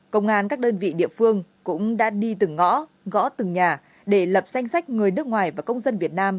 công an các đơn vị địa phương cũng đã đi từng ngõ gõ từng nhà để lập danh sách người nước ngoài và công dân việt nam